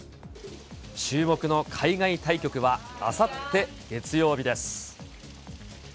注目の海外対局は、あさって月曜日です。